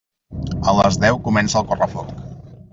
A les deu comença el correfoc.